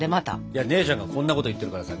いや姉ちゃんがこんなこと言ってるからさ。